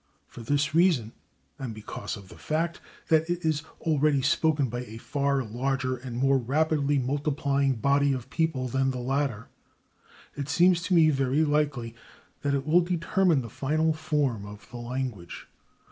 For this reason, and because of the fact that it is already spoken by a far larger and more rapidly multiplying body of people than the latter, it seems to me very likely that it will determine the final form of the language.